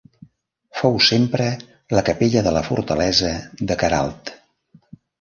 Fou sempre la capella de la fortalesa de Queralt.